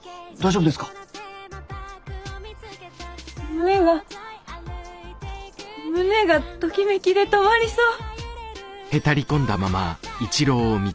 胸が胸がときめきで止まりそう！